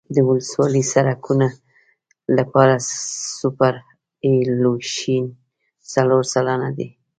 د ولسوالي سرکونو لپاره سوپرایلیویشن څلور سلنه دی